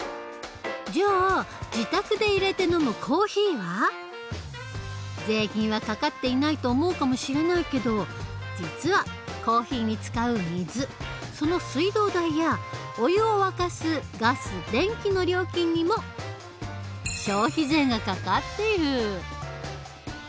じゃあ税金はかかっていないと思うかもしれないけど実はコーヒーに使う水その水道代やお湯を沸かすガス電気の料金にも消費税がかかっている。